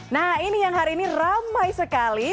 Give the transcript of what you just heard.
nah ini yang hari ini ramai sekali